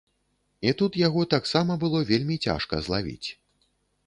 І тут яго таксама было вельмі цяжка злавіць.